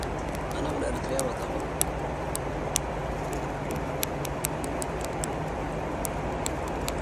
No jet bridges existed at this time.